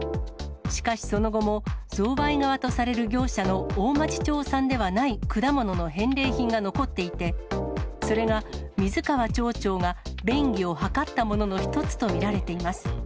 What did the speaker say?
しかしその後も、贈賄側とされる業者の大町町産ではない果物の返礼品が残っていて、それが水川町長が便宜を図ったものの一つと見られています。